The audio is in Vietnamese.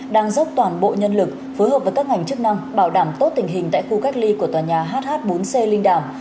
đang dốc toàn bộ nhân lực phối hợp với các ngành chức năng bảo đảm tốt tình hình tại khu cách ly của tòa nhà hh bốn c linh đàm